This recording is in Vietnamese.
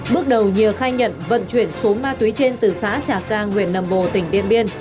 bước đầu nhìa khai nhận vận chuyển số ma túy trên từ xã trà cang huyện nậm bồ tỉnh điện biên